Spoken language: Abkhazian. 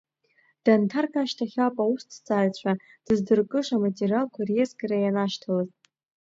Данҭарк ашьҭахь ауп аусҭҵааҩцәа дыздыркыша аматериалқәа реизгара ианашьҭалаз.